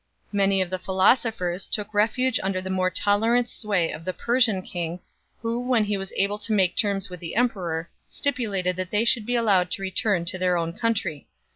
Many of the philosophers took refuge under the more tolerant sway of the Persian king 1 , who, when he was able to make terms with the emperor, stipulated that they should be allowed to return to their own country.